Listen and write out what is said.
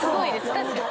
確かに。